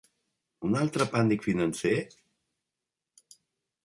Un altre pànic financer?